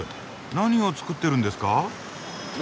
何を作ってるんですか？